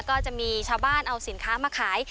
ก็จะมีชาวบ้านเอาสินค้ามาขาย